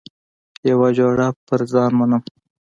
یوه جوړه پر ځان منم.